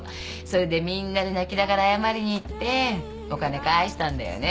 それでみんなで泣きながら謝りに行ってお金返したんだよね。